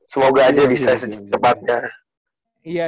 semoga aja bisa sempatnya